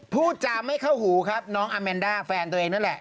พูดจาไม่เข้าหูครับน้องอาแมนด้าแฟนตัวเองนั่นแหละ